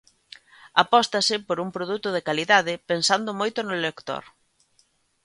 Apóstase por un produto de calidade pensando moito no lector.